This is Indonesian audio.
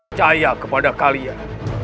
percaya kepada kalian